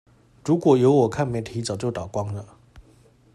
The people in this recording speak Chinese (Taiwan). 如果有我看媒體早就倒光了！